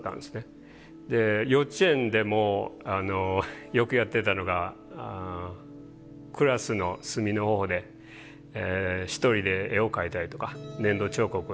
で幼稚園でもよくやってたのがクラスの隅のほうで一人で絵を描いたりとか粘土彫刻をして過ごしてました。